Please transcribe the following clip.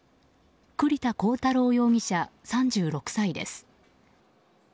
栗田浩太郎容疑者、３６歳です。